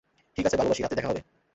ঠিক আছে, ভালোবাসি, রাতে দেখা হবে।